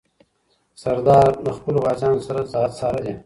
سردار له خپلو غازیانو سره ځارلې.